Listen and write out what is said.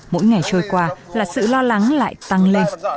mỗi ngày trôi qua là sự lo lắng lại tăng lên